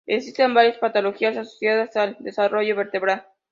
Existen varias patologías asociadas al desarrollo vertebral.